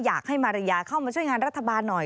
อยากให้มาริยาเข้ามาช่วยงานรัฐบาลหน่อย